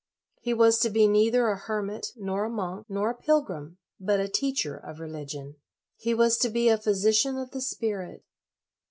He was to be neither a hermit, nor a monk, nor a pilgrim, but a teacher of religion. He was to be a physician of the spirit.